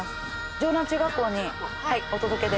城南中学校にお届けで。